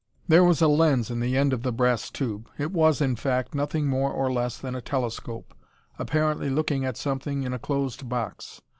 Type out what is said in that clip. There was a lens in the end of the brass tube. It was, in fact, nothing more or less than a telescope, apparently looking at something in a closed box.